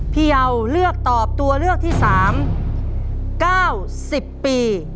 เยาเลือกตอบตัวเลือกที่๓๙๐ปี